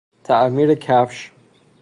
تعمیر کفش